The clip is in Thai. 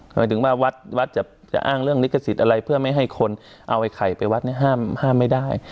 หมายถึงว่าวัดจะอ้างเรื่องลิขสิทธิ์อะไรเพื่อไม่ให้คนเอาไอ้ไข่ไปวัดเนี่ยห้ามไม่ได้